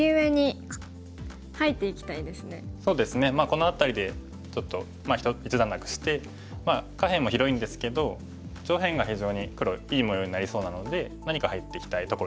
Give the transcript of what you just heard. この辺りでちょっと一段落してまあ下辺も広いんですけど上辺が非常に黒いい模様になりそうなので何か入っていきたいところですね。